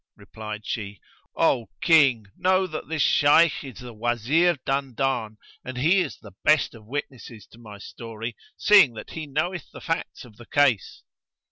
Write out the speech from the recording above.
Replied she, "O King, know that this Shayth is the Wazir Dandan and he is the best of witnesses to my story, seeing that he knoweth the facts of the case."